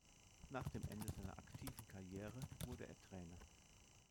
Nach dem Ende seiner aktiven Karriere wurde er Trainer.